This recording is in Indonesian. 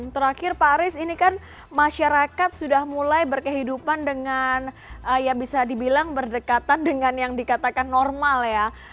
terakhir pak aris ini kan masyarakat sudah mulai berkehidupan dengan ya bisa dibilang berdekatan dengan yang dikatakan normal ya